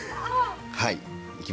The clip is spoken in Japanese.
はい。